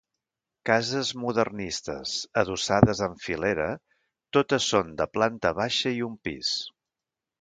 Cases modernistes, adossades en filera, totes són de planta baixa i un pis.